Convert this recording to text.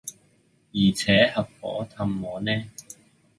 而且合夥喫我呢？